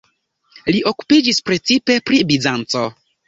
Li okupiĝis precipe pri Bizanco.